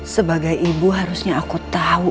sebagai ibu harusnya aku tahu